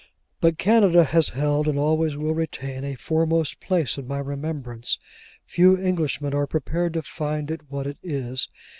But Canada has held, and always will retain, a foremost place in my remembrance. Few Englishmen are prepared to find it what it is.